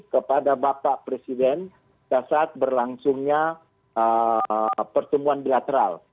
kepada bapak presiden saat berlangsungnya pertemuan bilateral